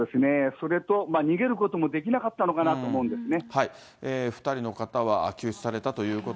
それと、逃げることもできなかったのかなと思うんですね。